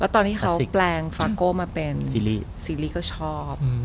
ตอนที่เขาแปลงฟาโก้มาเป็นซีรีส์ก็ชอบ